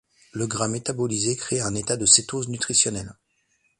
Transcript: Le gras métabolisé crée un état de cétose nutritionnelle.